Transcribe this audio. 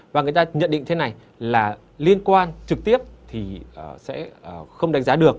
và người ta nhận định thế này là liên quan trực tiếp thì sẽ không đánh giá được